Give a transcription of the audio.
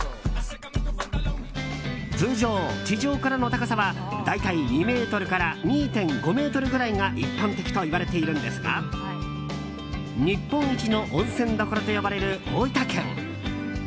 通常、地上からの高さは大体２ｍから２５ｍぐらいが一般的といわれているんですが日本一の温泉どころと呼ばれる大分県。